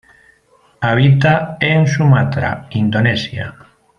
Habita en Sumatra Indonesia.